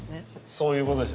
そういうことですよね。